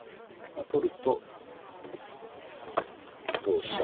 取ると同飛車